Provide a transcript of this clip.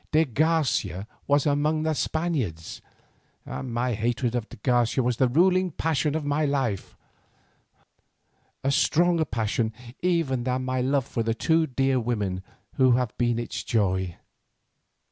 De Garcia was among the Spaniards, and my hatred of de Garcia was the ruling passion of my life, a stronger passion even than my love for the two dear women who have been its joy.